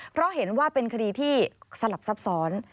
เพราะเห็นว่าเป็นคดีที่สลับซับซ้อน